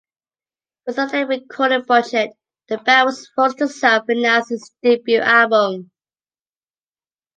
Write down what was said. Without a recording budget, the band was forced to self-finance its debut album.